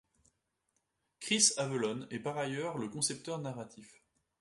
Chris Avellone est par ailleurs, le concepteur narratif.